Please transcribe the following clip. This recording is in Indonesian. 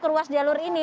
ke ruas jalur ini